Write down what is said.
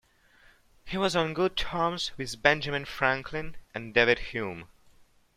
He was on good terms with Benjamin Franklin and David Hume.